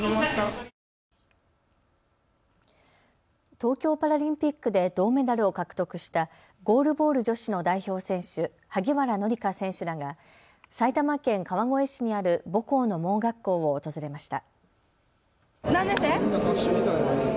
東京パラリンピックで銅メダルを獲得したゴールボール女子の代表選手、萩原紀佳選手らが埼玉県川越市にある母校の盲学校を訪れました。